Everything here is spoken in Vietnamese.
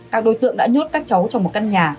các đối tượng đã nhốt các cháu trong một căn nhà